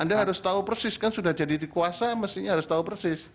anda harus tahu persis kan sudah jadi dikuasa mestinya harus tahu persis